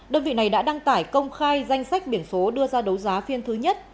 đơn vị này đã đăng tải công khai danh sách biển số đưa ra đấu giá phiên thứ nhất